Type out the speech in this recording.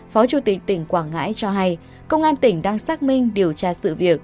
phó chủ tịch tỉnh quảng ngãi cho hay công an tỉnh đang xác minh điều tra sự việc